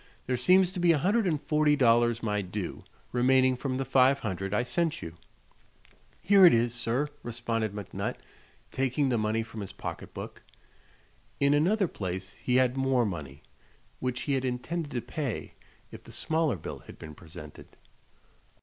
There seems to be a hundred and forty dollars my due, remaining from the five hundred I sent you." "Here it is, sir," responded McNutt, taking the money from his pocket book. In another place he had more money, which he had intended to pay if the smaller bill had been presented.